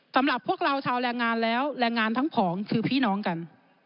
สำหรับพวกเราชาวแรงงานแล้วแรงงานทั้งผองคือพี่น้องกัน